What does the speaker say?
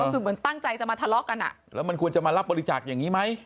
ก็คือเหมือนตั้งใจจะมาทะเลาะกันอ่ะแล้วมันควรจะมารับบริจาคอย่างนี้ไหม